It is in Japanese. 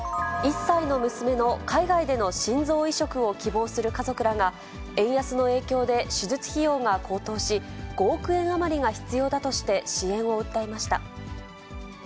１歳の娘の海外での心臓移植を希望する家族らが円安の影響で手術費用が高騰し、５億円余りが必要だとして、支援を訴えました。